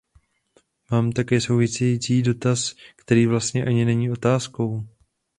Mám také související dotaz, který vlastně ani není otázkou.